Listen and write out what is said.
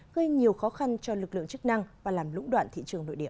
gây nhiều khó khăn cho lực lượng chức năng và làm lũng đoạn thị trường nội địa